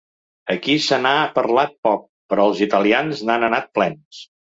Aquí se n’ha parlat poc, però els italians n’han anat plens.